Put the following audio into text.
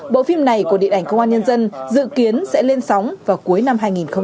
bộ phim này của điện ảnh công an nhân dân dự kiến sẽ lên sóng vào cuối năm hai nghìn hai mươi